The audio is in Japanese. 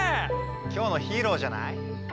今日のヒーローじゃない？